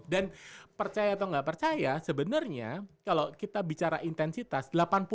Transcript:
dan percaya atau gak percaya sebenarnya kalau kita bicara intensitas